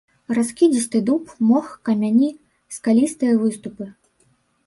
Раскідзісты дуб, мох, камяні, скалістыя выступы.